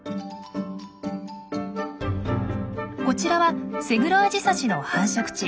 こちらはセグロアジサシの繁殖地。